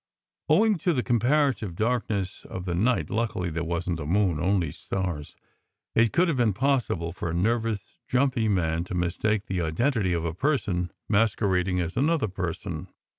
Owing to the comparative darkness of the night (luckily there wasn t a moon, only stars) it would have been possible for a nervous, jumpy man to mistake the identity of a person masquerading as another person.